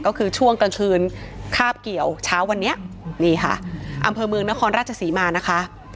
ก็คือช่วงกลางคืนคาบเกี่ยวเช้าวันนี้นี่ค่ะอำเภอเมืองนครราชศรีมานะคะ